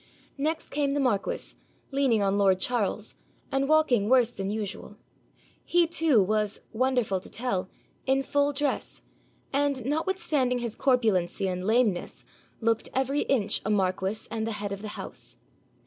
Next came the marquis, leaning on lord Charles, and walking worse than usual. He too was, wonderful to tell, in full dress, and, notwithstanding his corpulency and lameness, looked every inch a marquis and the head of the house.